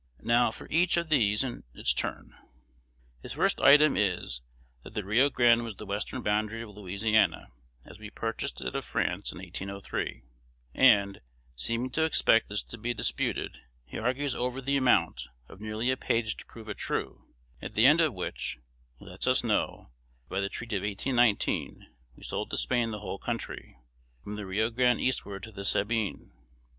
Now for each of these in its turn: His first item is, that the Rio Grande was the western boundary of Louisiana, as we purchased it of France in 1803; and, seeming to expect this to be disputed, he argues over the amount of nearly a page to prove it true; at the end of which, he lets us know, that, by the treaty of 1819, we sold to Spain the whole country, from the Rio Grande eastward to the Sabine.